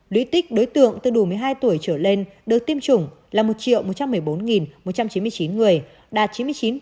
lý tích đối tượng từ đủ một mươi hai tuổi trở lên được tiêm chủng là một một trăm một mươi bốn một trăm chín mươi chín người đạt chín mươi chín hai mươi bảy